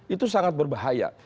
itu sangat berbahaya